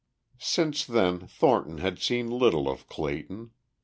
Since then Thornton had seen little of Clayton.